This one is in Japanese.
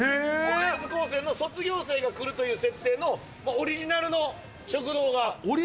呪術高専の卒業生が来るという設定の、オリジナルの食堂が。